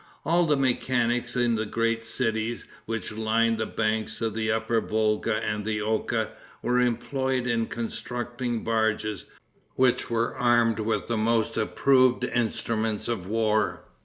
All the mechanics in the great cities which lined the banks of the upper Volga and the Oka, were employed in constructing barges, which were armed with the most approved instruments of war.